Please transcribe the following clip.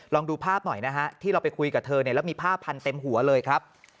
ลองดูภาพหน่อยนะฮะที่เราไปคุยกับเธอเนี่ยแล้วมีผ้าพันเต็มหัวเลยครับ